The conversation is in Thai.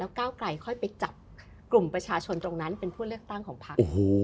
ก้าวไกลค่อยไปจับกลุ่มประชาชนตรงนั้นเป็นผู้เลือกตั้งของพัก